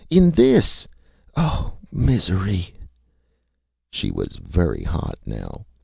In this ... Oh misery!Â She was very hot now.